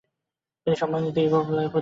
তিনি সম্মানীয় Ivo Bligh পদবী ধারণ করেন।